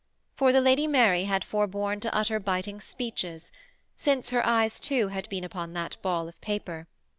For the Lady Mary had forborne to utter biting speeches, since her eyes too had been upon that ball of paper.